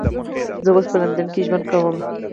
زه اوس په لندن کې ژوند کوم